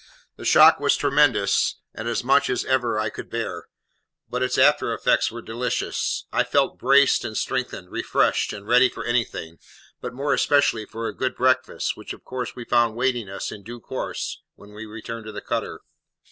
The shock was tremendous, and as much as ever I could bear; but its after effects were delicious. I felt braced and strengthened, refreshed, and ready for anything; but more especially for a good breakfast, which of course we found awaiting us in due course when we returned to the cutter.